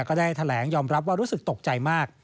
ก็ได้แถลงยอมรับว่ารู้สึกตกใจมาก